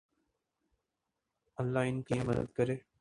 اللہ ان کی مدد کرے